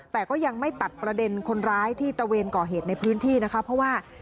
แต่ก็ยังไม่ตัดประเด็นคนร้ายที่ตะเวนก่อเหตุในพื้นที่นะคะเพราะว่า